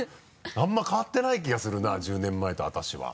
あんま変わってない気がするな１０年前と私は。